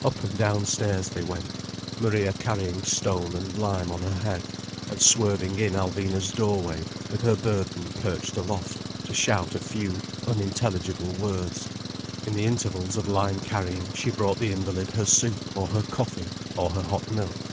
Up and down stairs they went, Maria carrying stone and lime on her head, and swerving in Alvina's doorway, with her burden perched aloft, to shout a few unintelligible words. In the intervals of lime carrying she brought the invalid her soup or her coffee or her hot milk.